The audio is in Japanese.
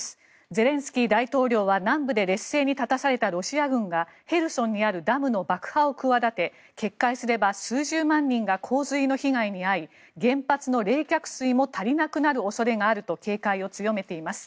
ゼレンスキー大統領は南部で劣勢に立たされたロシア軍がヘルソンにあるダムの爆破を企て決壊すれば数十万人が洪水の被害に遭い原発の冷却水も足りなくなる恐れがあると警戒を強めています。